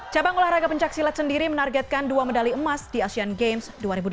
cabang olahraga pencaksilat sendiri menargetkan dua medali emas di asean games dua ribu delapan belas